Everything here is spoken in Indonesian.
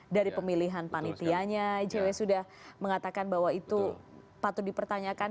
dari pemilihan panitianya icw sudah mengatakan bahwa itu patut dipertanyakan